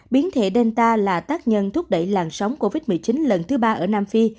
biến thể danta là tác nhân thúc đẩy làn sóng covid một mươi chín lần thứ ba ở nam phi